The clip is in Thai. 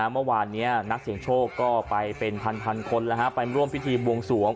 เมื่อวานนี้นักเสียงโชคก็ไปเป็นพันคนไปร่วมพิธีบวงสวง